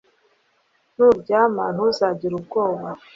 Nuryama ntuzagira ubwoba